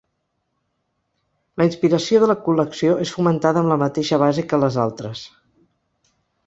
La inspiració de la col·lecció és fomentada amb la mateixa base que les altres.